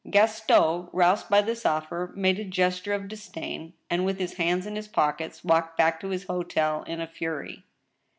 Gaston, roused by this offer, made a gesture of disdain, and, with his hands in his pockets, walked back to his hotel in a fury.